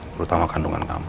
terutama kandungan kamu